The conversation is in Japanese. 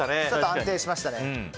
安定しましたね。